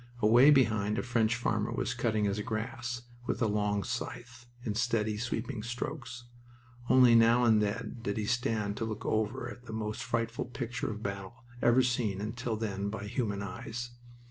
Away behind, a French farmer was cutting his grass with a long scythe, in steady, sweeping strokes. Only now and then did he stand to look over at the most frightful picture of battle ever seen until then by human eyes.